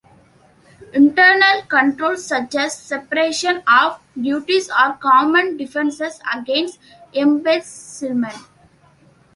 Internal controls such as separation of duties are common defenses against embezzlement.